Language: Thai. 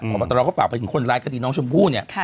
พบตรก็ฝากไปถึงคนร้ายคดีน้องชมพู่เนี่ย